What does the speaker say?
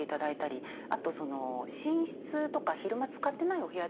あと寝室とか昼間使ってないお部屋ですね